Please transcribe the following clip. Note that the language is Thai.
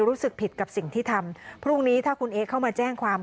รู้สึกผิดกับสิ่งที่ทำพรุ่งนี้ถ้าคุณเอ๊เข้ามาแจ้งความ